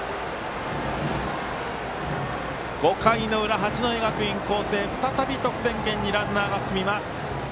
５回の裏、八戸学院光星再び得点圏にランナーが進みます。